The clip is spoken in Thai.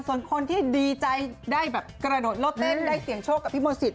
ส่วนคนที่ดีใจได้แบบกระโดดโลดเต้นได้เสียงโชคกับพี่มนศิษ